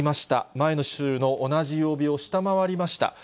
前の週の同じ曜日を下回りました。